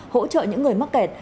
hỗ trợ những người mắc kẹt